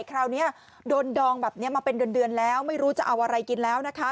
คราวนี้โดนดองแบบนี้มาเป็นเดือนแล้วไม่รู้จะเอาอะไรกินแล้วนะคะ